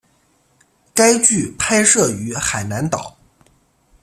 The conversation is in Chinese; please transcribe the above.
该剧拍摄于海南岛。